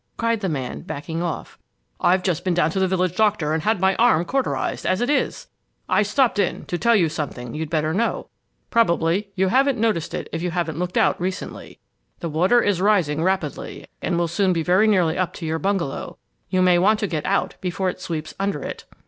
cried the man, backing off. "I've just been down to the village doctor and had my arm cauterized, as it is. I stopped in to tell you something you'd better know. Probably you haven't noticed it, if you haven't looked out recently. The water is rising rapidly and will soon be very nearly up to your bungalow. You may want to get out before it sweeps under it!"